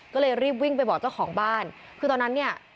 ก็เลยรีบวิ่งไปบอกเจ้าของบ้านคือตอนนั้นเนี่ย